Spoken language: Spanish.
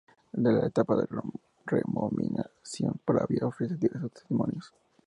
De la etapa de la romanización, Pravia ofrece diversos testimonios.